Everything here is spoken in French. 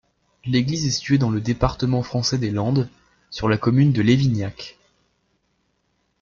L'église est située dans le département français des Landes, sur la commune de Lévignacq.